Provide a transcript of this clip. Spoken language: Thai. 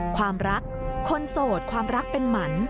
ความรักคนโสดความรักเป็นหมัน